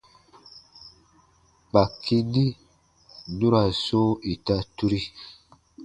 Kpaki ni nu ra sɔ̃ɔ ita turi.